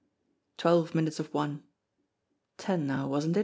Twelve minutes of one! Ten now, wasn't it?